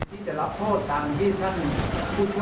ที่จะรับโทษตามที่ท่านพูดว่า